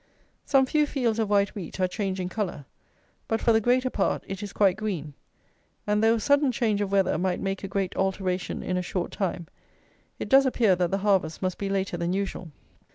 Some few fields of white wheat are changing colour; but for the greater part it is quite green; and though a sudden change of weather might make a great alteration in a short time, it does appear that the harvest must be later than usual.